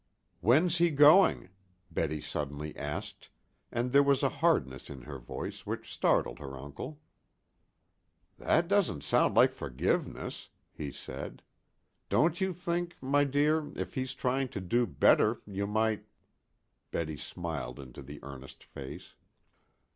"When's he going?" Betty suddenly asked, and there was a hardness in her voice which startled her uncle. "That doesn't sound like forgiveness," he said. "Don't you think, my dear, if he's trying to do better you might " Betty smiled into the earnest face.